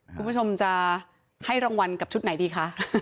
คุณผู้ชมจะให้รางวัลกับชุดไหนดีคะ